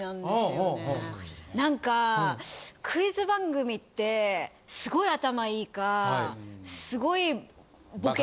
何かクイズ番組ってすごい頭いいかすごいボケ